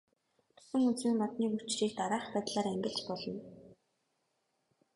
Усан үзмийн модны мөчрийг дараах байдлаар ангилж болно.